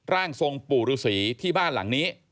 ร่างทรงปู่ฤษีที่บ้านหลังนี้